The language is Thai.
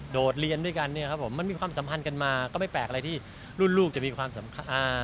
โดดเรียนด้วยกันเนี่ยครับผมมันมีความสัมพันธ์กันมาก็ไม่แปลกอะไรที่รุ่นลูกจะมีความสำคัญ